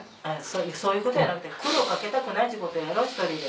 そういうことやなくて苦労を掛けたくないっちゅうことやろ１人で。